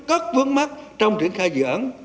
các vấn mắc trong triển khai dự án